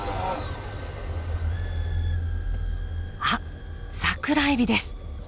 あっサクラエビです。